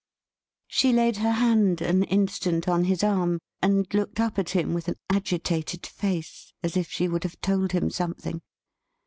She laid her hand, an instant, on his arm, and looked up at him with an agitated face, as if she would have told him something.